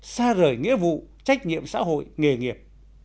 xa rời nghĩa vụ trách nhiệm xã hội nghề nghiệp